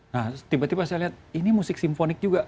nah tiba tiba saya lihat ini musik simfonik juga